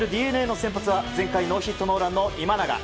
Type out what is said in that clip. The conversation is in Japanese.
ＤｅＮＡの先発は前回ノーヒットノーランの今永。